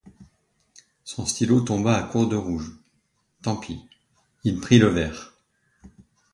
Son stylo tomba à court de rouge. Tant pis, il pris le vert.